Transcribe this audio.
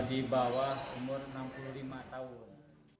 di bawah umur enam puluh lima tahun